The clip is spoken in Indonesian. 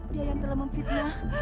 dia yang telah memfitnah